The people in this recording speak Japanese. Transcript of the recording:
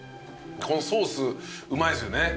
このソースうまいっすよね。